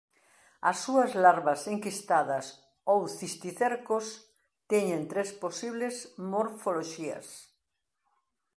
As súas larvas enquistadas ou cisticercos teñen tres posibles morfoloxías.